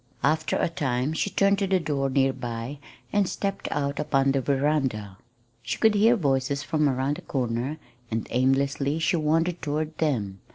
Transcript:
After a time she turned to the door near by and stepped out upon the veranda. She could hear voices from around the corner, and aimlessly she wandered toward them.